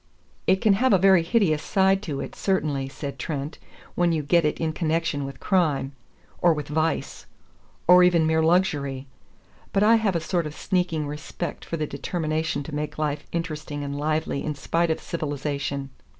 "It can have a very hideous side to it, certainly," said Trent, "when you get it in connection with crime. Or with vice. Or even mere luxury. But I have a sort of sneaking respect for the determination to make life interesting and lively in spite of civilization.